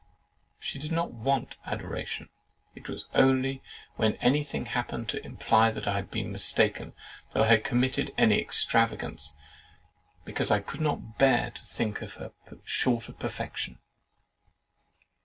"She did not want adoration." It was only when any thing happened to imply that I had been mistaken, that I committed any extravagance, because I could not bear to think her short of perfection.